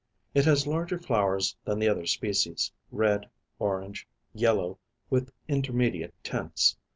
It has larger flowers than the other species; red, orange, yellow, with intermediate tints.